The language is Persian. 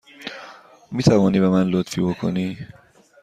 می توانی به من لطفی بکنی؟